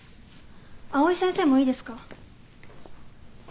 藍井先生もいいですか？